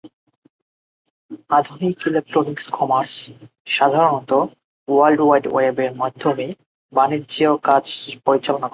আধুনিক electronic commerce সাধারণত world wide web এর মাধ্যমে বাণিজ্য কাজ পরিচালনা করে।